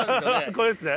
これですね。